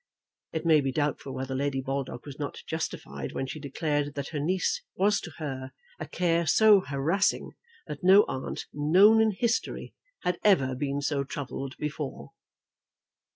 It may be doubtful whether Lady Baldock was not justified, when she declared that her niece was to her a care so harassing that no aunt known in history had ever been so troubled before.